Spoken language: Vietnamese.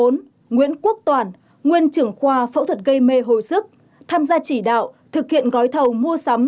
bốn nguyễn quốc toàn nguyên trưởng khoa phẫu thuật gây mê hồi sức tham gia chỉ đạo thực hiện gói thầu mua sắm